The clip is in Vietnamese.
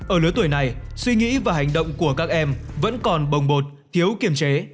ở lứa tuổi này suy nghĩ và hành động của các em vẫn còn bồng bột thiếu kiềm chế